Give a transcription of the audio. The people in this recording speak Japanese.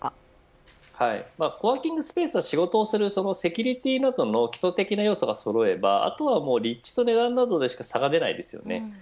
コワーキングスペースは仕事をするセキュリティーなどの基礎的な要素がそろえばあとは立地と値段でしか差が出ません。